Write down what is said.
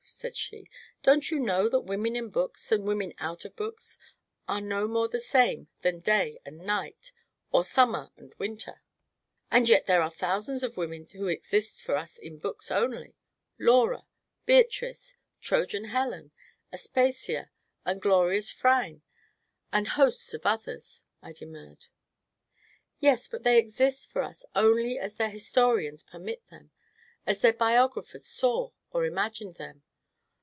said she, "don't you know that women in books and women out of books are no more the same than day and night, or summer and winter?" "And yet there are thousands of women who exist for us in books only, Laura, Beatrice, Trojan Helen, Aspasia, the glorious Phryne, and hosts of others," I demurred. "Yes; but they exist for us only as their historians permit them, as their biographers saw, or imagined them.